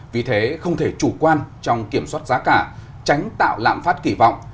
vì thế không thể chủ quan trong kiểm soát giá cả tránh tạo lạm phát kỳ vọng